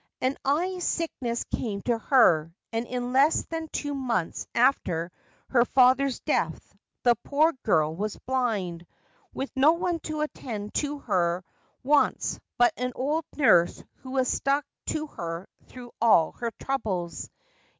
An eye sickness came to her, and in less than two months after her father's death the poor girl was blind, with no one to attend to her wants but an old nurse who had stuck to her through all her troubles.